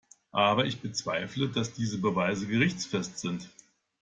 Aber ich bezweifle, dass diese Beweise gerichtsfest sind.